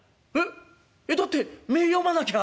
「え？だって目ぇ読まなきゃあ